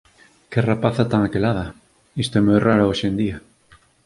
Que rapaza tan aquelada! Isto é moi raro hoxe en día.